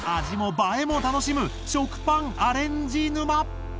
味も映えも楽しむ「食パンアレンジ沼」。